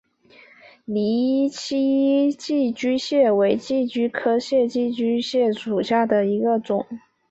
泥栖寄居蟹为寄居蟹科寄居蟹属下的一个种。